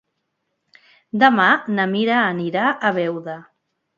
Demà na Mira anirà a Beuda.